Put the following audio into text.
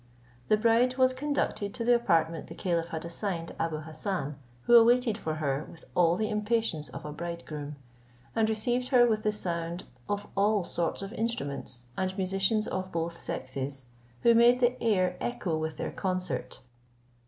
The bride was conducted to the apartment the caliph had assigned Abou Hassan, who waited for her with all the impatience of a bridegroom, and received her with the sound of all sorts of instruments, and musicians of both sexes, who made the air echo with their concert.